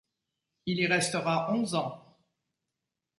Il y restera onze ans.